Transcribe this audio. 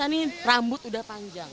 vanessa nih rambut udah panjang